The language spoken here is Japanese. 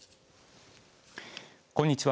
こんにちは。